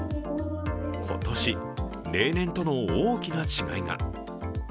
今年、例年との大きな違いが。